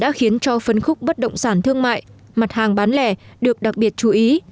đã khiến cho phân khúc bất động sản thương mại mặt hàng bán lẻ được đặc biệt chú ý